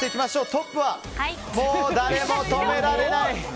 トップはもう誰も止められない！